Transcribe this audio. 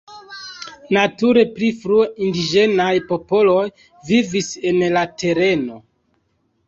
Nature pli frue indiĝenaj popoloj vivis en la tereno.